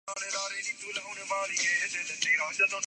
اُن کے کام کا جائزہ لیتے ہیں